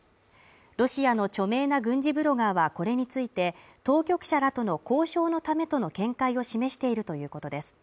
ロシアの著名な軍事ブロガーはこれについて、当局者らとの交渉のためとの見解を示しているということです。